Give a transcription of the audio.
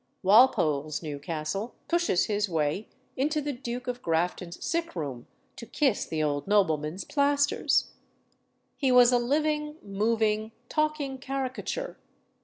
Walpole's Newcastle pushes his way into the Duke of Grafton's sick room to kiss the old nobleman's plaisters. "He was a living, moving, talking caricature.